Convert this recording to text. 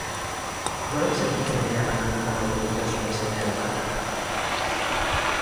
Nola sentitzen dira bananduta dauden gurasoen seme-alabak?